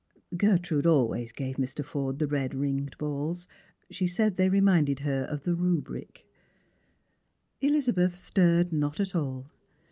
Gertrude always gave Mr. Forde the red ringed balls ; she said they reminded her of the rubric. Elizabeth stirred not at all.